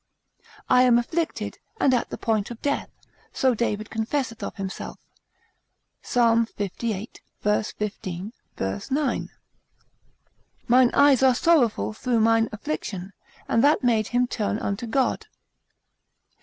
I am afflicted, and at the point of death, so David confesseth of himself, Psal. lxxxviii. v. 15, v. 9. Mine eyes are sorrowful through mine affliction: and that made him turn unto God.